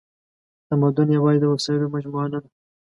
تمدن یواځې د وسایلو مجموعه نهده.